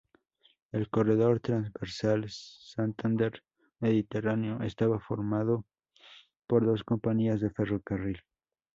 El corredor transversal Santander-Mediterráneo estaba formado por dos compañías de ferrocarril.